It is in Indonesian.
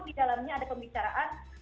di dalamnya ada pembicaraan